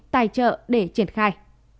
tài trợ để triển khai